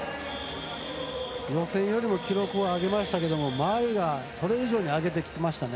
予選よりも記録は上げましたけど周りが、それ以上に上げてきましたね。